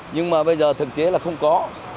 nhưng mà bây giờ thực chế là không có